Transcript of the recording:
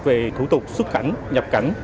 về thủ tục xuất cảnh nhập cảnh